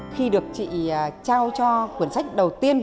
khi được chị trao cho quyển sách đầu tiên